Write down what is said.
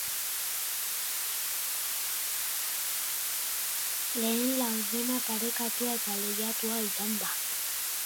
Lehen laurdena parekatua eta lehiatua izan da.